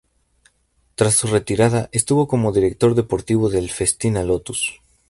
Tras su retirada estuvo como director deportivo del Festina-Lotus.